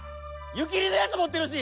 ゆきりのやつもってるし！